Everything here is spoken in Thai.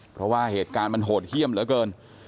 เพราะว่าเหตุการณ์มันโหดเยี่ยมเหลือเกิน